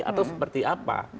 atau seperti apa